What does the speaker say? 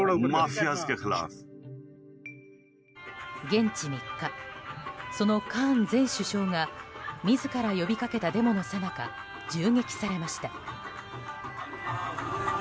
現地３日、そのカーン前首相が自ら呼び掛けたデモのさなか銃撃されました。